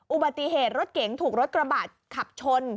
อุบัติเหตุรถเก๋งถูกรถกระบะขับชน